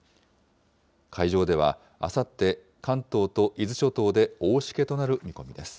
海上ではあさって、関東と伊豆諸島で大しけとなる見込みです。